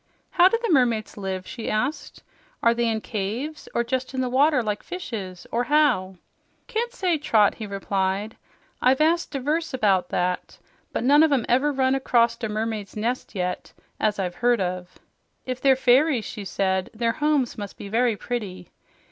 "How do the mermaids live?" she asked. "Are they in caves, or just in the water like fishes, or how?" "Can't say, Trot," he replied. "I've asked divers about that, but none of 'em ever run acrost a mermaid's nest yet, as I've heard of." "If they're fairies," she said, "their homes must be very pretty."